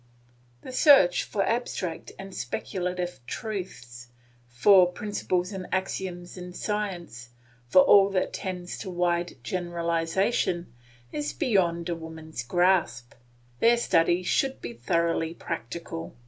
The search for abstract and speculative truths, for principles and axioms in science, for all that tends to wide generalisation, is beyond a woman's grasp; their studies should be thoroughly practical.